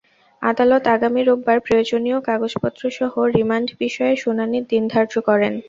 আদালত আগামী রোববার প্রয়োজনীয় কাগজপত্রসহ রিমান্ড বিষয়ে শুনানির দিন ধার্য করেন।